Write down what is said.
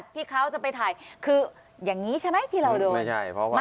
พี่คราวจะไปถ่ายคืออย่างนี้ใช่ไหมที่เราโดน